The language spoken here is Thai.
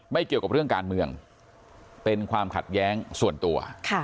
เกี่ยวกับเรื่องการเมืองเป็นความขัดแย้งส่วนตัว